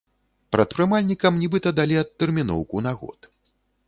Прадпрымальнікам нібыта далі адтэрміноўку на год.